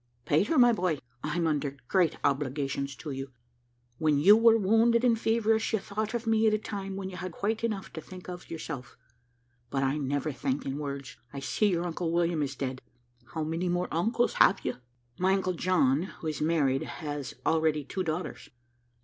"Peter, my boy, I'm under great obligations to you. When you were wounded and feverish, you thought of me at a time when you had quite enough to think of yourself; but I never thank in words. I see your uncle William is dead. How many more uncles have you?" "My uncle John, who is married, and has already two daughters."